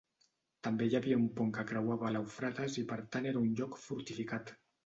També hi havia un pont que creuava l'Eufrates i per tant era un lloc fortificat.